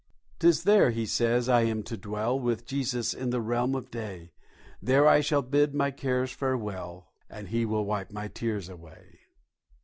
'Tis there, he says, I am to dwell With Jesus in the realms of day; There I shall bid my cares farewell And He will wipe my tears away.